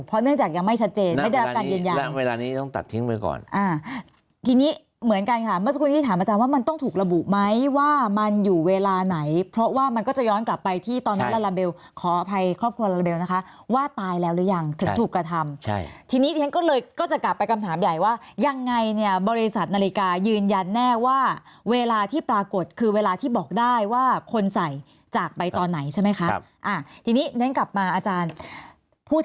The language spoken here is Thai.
ก็เรียกคณะทำงานขึ้นมานั่งฟังแล้วเขาพูดอะไรก็พูด